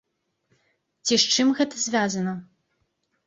Ці з чым гэта звязана?